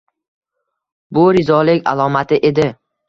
Bu rizolik alomati edi.